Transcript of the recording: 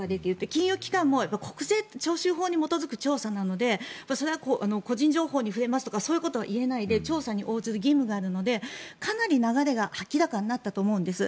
金融機関も国税徴収法に基づく調査なのでそれは個人情報に触れますということは言えないで調査に応じる義務があるのでかなり流れが明らかになったと思うんです。